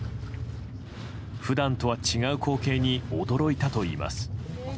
普段とは違う光景に驚いたといいます。